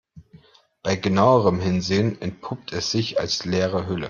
Bei genauerem Hinsehen entpuppt es sich als leere Hülle.